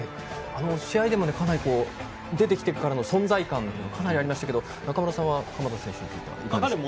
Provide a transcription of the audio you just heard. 試合でも出てきてからの存在感がかなりありましたけど中村さんは鎌田選手についてはどうですか？